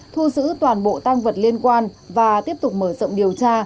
thu giữ toàn bộ tăng vật liên quan và tiếp tục mở rộng điều tra